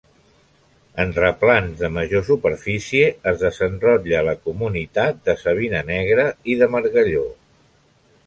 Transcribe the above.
En replans de major superfície, es desenrotlla la comunitat de savina negra i de margalló.